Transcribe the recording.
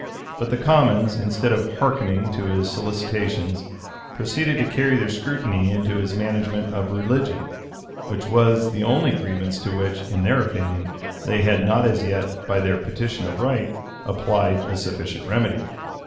But the commons, instead of hearkening to his solicitations proceeded to carry their scrutiny into his management of religion,[] which was the only grievance to which, in their opinion, they had not as yet, by their petition of right, applied a sufficient remedy.